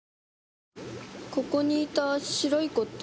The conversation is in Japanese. ここにいた白い子って？